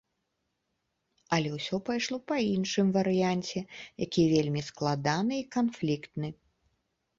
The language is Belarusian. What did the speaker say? Але ўсё пайшло па іншым варыянце, які вельмі складаны і канфліктны.